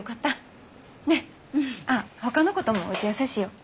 ああほかのことも打ち合わせしよう。